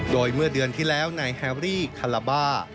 โดยเมื่อเดือนที่แล้วนายแฮรี่คาลาบ้า